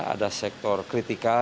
ada sektor kritikal